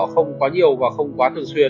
không quá nhiều và không quá thường xuyên